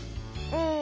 うん。